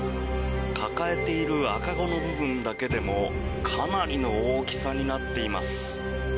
抱えている赤子の部分だけでもかなりの大きさになっています。